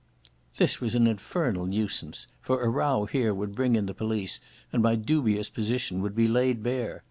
This was an infernal nuisance, for a row here would bring in the police, and my dubious position would be laid bare.